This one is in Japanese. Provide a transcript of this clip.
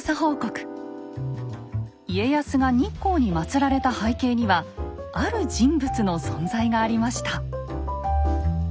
家康が日光にまつられた背景にはある人物の存在がありました。